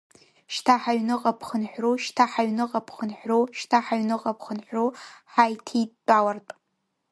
Шьҭа ҳаҩныҟа бхынҳәру, шьҭа ҳаҩныҟа бхынҳәру, шьҭа ҳаҩныҟа бхынҳәру, ҳаиҭеидтәалартә.